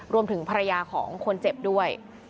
รวมถึงภรรยาของคนเจ็บด้วย